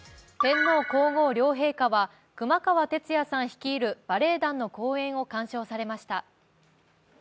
天皇皇后両陛下は熊川哲也さん率いるバレエ団の公演を鑑賞されました。